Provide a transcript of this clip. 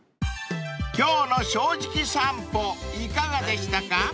［今日の『正直さんぽ』いかがでしたか？］